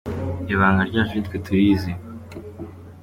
Ibanga ryacu nitwe turizi.